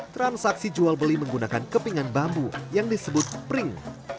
transaksi jual beli menggunakan kepingan bambu yang disebut pring